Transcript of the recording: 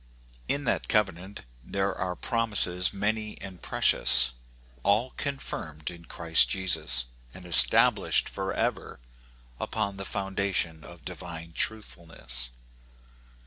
In that covenant there are promises many and precious, all confirmed in Christ Jesus, and estab lished forever upon the foundation of divine truthfulness.